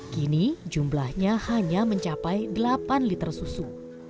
kini jumlahnya hanya mencapai delapan liter susu